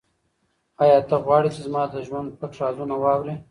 آیا ته غواړې چې زما د ژوند پټ رازونه واورې؟